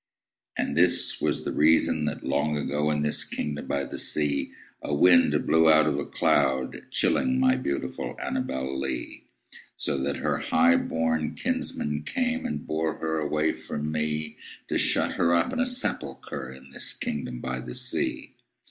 And this was the reason that, long ago, In this kingdom by the sea, A wind blew out of a cloud, chilling My beautiful ANNABEL LEE; So that her highborn kinsmen came And bore her away from me, To shut her up in a sepulchre In this kingdom by the sea.